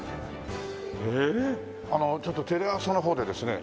ちょっとテレ朝の方でですね